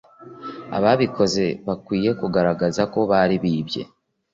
ababikoze bagamije kugaragaza ko bari bibye